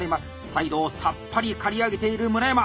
サイドをさっぱり刈り上げている村山！